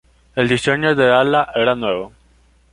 El diseño del ala era nuevo.